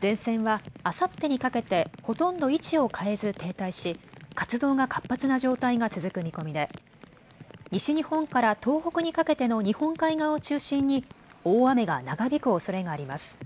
前線はあさってにかけてほとんど位置を変えず停滞し活動が活発な状態が続く見込みで西日本から東北にかけての日本海側を中心に大雨が長引くおそれがあります。